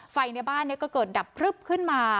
ในบ้านก็เกิดดับพลึบขึ้นมา